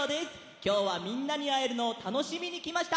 きょうはみんなにあえるのをたのしみにきました。